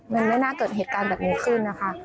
มันไม่น่าเกิดเหตุการณ์แบบนี้ขึ้นนะคะ